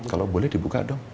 kalau boleh dibuka dong